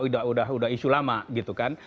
itu sudah isu lama gitu kan